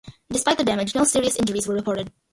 Despite the damage, no serious injuries were reported.